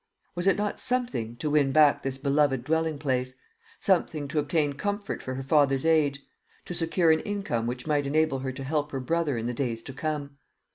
Was it not something to win back this beloved dwelling place something to obtain comfort for her father's age to secure an income which might enable her to help her brother in the days to come?